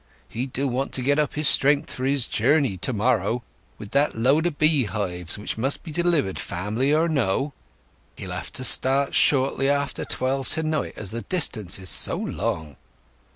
He do want to get up his strength for his journey to morrow with that load of beehives, which must be delivered, family or no. He'll have to start shortly after twelve to night, as the distance is so long."